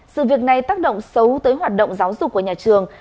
sự việc này tác động xấu tới hoạt động giáo dục của nhà trường